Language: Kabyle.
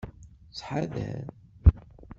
Ttḥadar.